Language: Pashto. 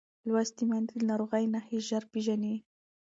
لوستې میندې د ناروغۍ نښې ژر پېژني.